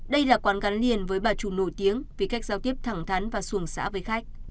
đây là quán gắn liền với bà trù nổi tiếng vì cách giao tiếp thẳng thắn và xuồng xã với khách